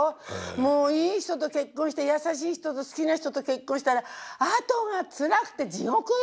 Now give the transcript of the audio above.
もういい人と結婚して優しい人と好きな人と結婚したらあとがつらくて地獄よ！